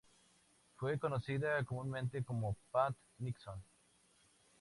Fue conocida comúnmente como Pat Nixon.